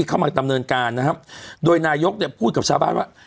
เข้ามาดำเนินการนะครับโดยนายกเนี่ยพูดกับชาวบ้านว่า